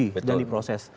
ini sudah sedang diproses